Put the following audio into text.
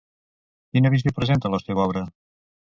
Quina visió presenta la seva obra?